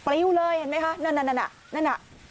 ปริวเลยเห็นไหมค่ะนั่นนั่นอ่ะ